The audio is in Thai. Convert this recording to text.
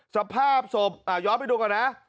สภาพศพย้อนไปดูก่อนนะ